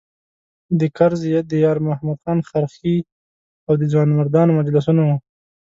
د کرز د یارمحمد خان خرخښې او د ځوانمردانو مجلسونه وو.